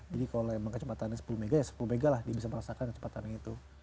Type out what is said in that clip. jadi kalau kecepatannya sepuluh mbps ya sepuluh mbps lah dia bisa merasakan kecepatannya itu